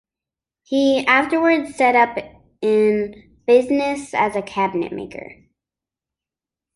He afterwards set up in business as a cabinet-maker.